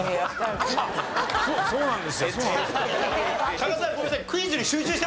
加賀さんごめんなさい。